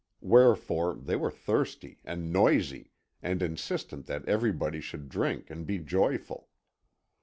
Wherefore, they were thirsty and noisy, and insistent that everybody should drink and be joyful.